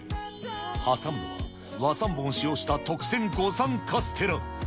挟むのは和三盆を使用した特撰五三カステラ。